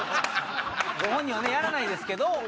ご本人はやらないですけど。